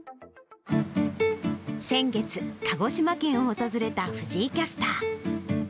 先月、鹿児島県を訪れた藤井キャスター。